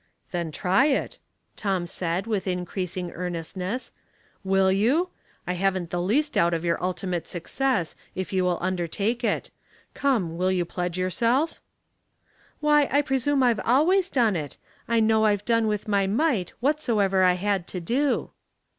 '^ Then try it," Tom said, with increasing earnestness. "Will you? I haven't the least doubt of your ultimate success if you undertake it. Come, will you pledge yourself? "" Why, I presume I've always done it. I know I've done with my might whatsoever I had to do."